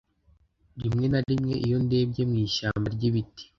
Rimwe na rimwe, iyo ndebye mu ishyamba ryibiti,